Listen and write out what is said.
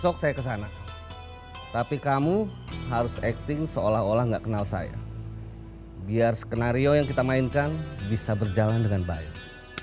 besok saya ke sana tapi kamu harus acting seolah olah gak kenal saya biar skenario yang kita mainkan bisa berjalan dengan baik